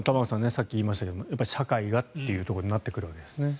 さっき言いましたけれど社会がというところになってくるわけですね。